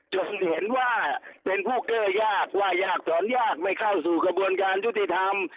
เห็นว่าเป็นพวกเกอร์ยากว่ายากสอนยากไม่เข้าสู่กระบวนการยุติธรรม